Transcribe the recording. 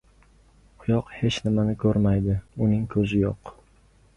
• Oyoq hech nimani ko‘rmaydi: uning ko‘zi yo‘q.